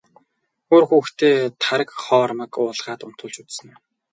Үр хүүхдээ тараг хоормог уулгаад унтуулж үзсэн үү?